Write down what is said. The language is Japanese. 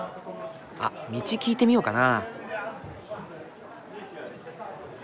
あっ道聞いてみようかな。